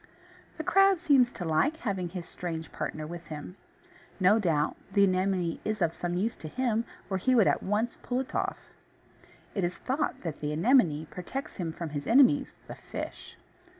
The crab seems to like having his strange partner with him. No doubt the Anemone is of some use to him, or he would at once pull it off. It is thought that the Anemone protects him from his enemies, the fish.